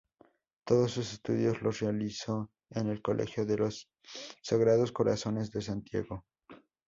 Todos sus estudios los realizó en el Colegio de los Sagrados Corazones en Santiago.